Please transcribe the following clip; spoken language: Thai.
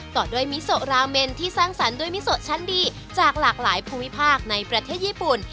ต่อด้วยมิโซราเมนที่สร้างสรรค์ด้วยมิโซชั้นดีจากหลากหลายภูมิภาคในประเทศญี่ปุ่น